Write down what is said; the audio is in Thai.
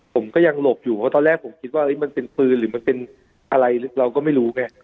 ผมก็ยังหลบอยู่เพราะตอนแรกผมคิดว่าที่มันเป็นฟืนอ่ะอะไรเราก็ไม่รู้ไง